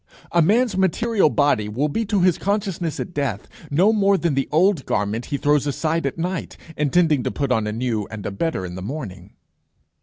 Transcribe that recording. A man's material body will be to his consciousness at death no more than the old garment he throws aside at night, intending to put on a new and a better in the morning.